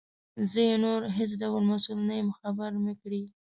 زه یې نور هیڅ ډول مسؤل نه یم خبر مي کړې.